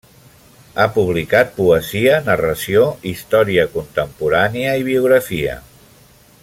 Ha publicat poesia, narració, història contemporània, biografia.